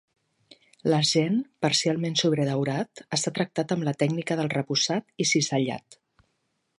L'argent, parcialment sobredaurat, està tractat amb la tècnica del repussat i cisellat.